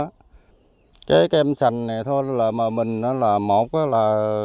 cái cam sành này thôi là mà mình là một là